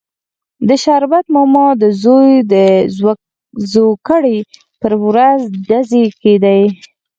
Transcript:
د شربت ماما د زوی د زوکړې پر ورځ ډزې کېدې.